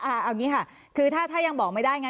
เอาอย่างนี้ค่ะคือถ้ายังบอกไม่ได้ไง